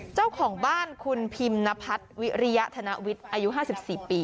เจ้าของบ้านคุณพิมนพัฒน์วิริยธนวิทย์อายุ๕๔ปี